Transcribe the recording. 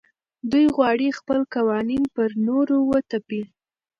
دوی غواړي خپل قوانین پر نورو وتپي.